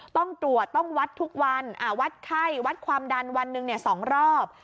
ต้องตรวจต้องวัดทุกวันวัดไข้วัดความดันวันหนึ่ง๒รอบ